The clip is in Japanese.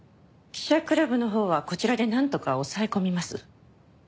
記者クラブのほうはこちらでなんとか抑え込みます。